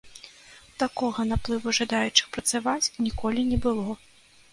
Такога наплыву жадаючых працаваць ніколі не было.